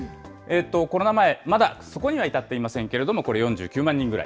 コロナ前、まだそこには至っていませんけれども、これ４９万人ぐらい。